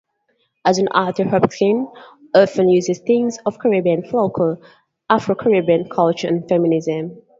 As an author, Hopkinson often uses themes of Caribbean folklore, Afro-Caribbean culture, and feminism.